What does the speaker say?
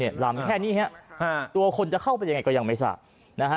ลำแค่นี้ฮะตัวคนจะเข้าไปยังไงก็ยังไม่ทราบนะฮะ